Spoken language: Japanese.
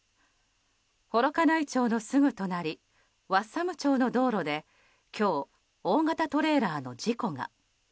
幌加内町のすぐ隣和寒町の道路で今日、大型トレーラーの事故が。